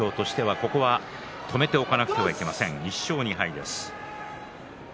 ここは止めておかなければいけません。